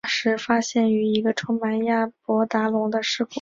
化石发现于一个充满亚伯达龙的尸骨层。